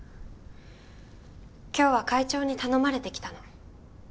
今日は会長に頼まれて来たの。